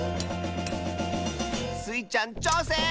⁉スイちゃんちょうせん！